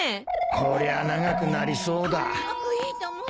こりゃあ長くなりそうだ。